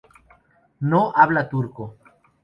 No habla turco.